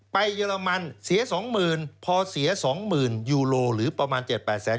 เยอรมันเสีย๒๐๐๐พอเสีย๒๐๐ยูโรหรือประมาณ๗๘แสน